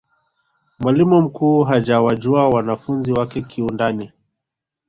mwalimu mkuu hajawajua wanafunzi wake kiundani